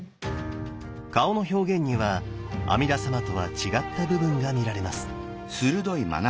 顔の表現には阿弥陀様とは違った部分が見られます。